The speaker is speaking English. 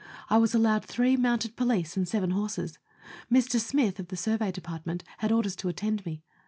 I was allowed three mounted police and seven horses. Mr. Smyth, of the Survey Department, had orders to attend me.